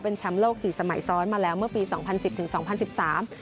เป็นแชมป์โลกสี่สมัยซ้อนมาแล้วเมื่อปีสองพันสิบถึงสองพันสิบสาม